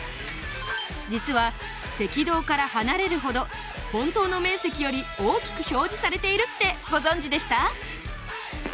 実は赤道から離れるほど本当の面積より大きく表示されているってご存じでした？